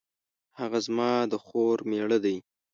هغه زما د خور میړه دی